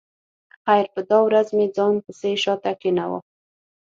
خیر په دا ورځ مې ځان پسې شا ته کېناوه.